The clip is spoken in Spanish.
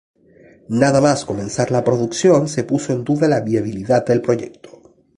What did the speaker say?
Nada más comenzar la producción se puso en duda la viabilidad del proyecto.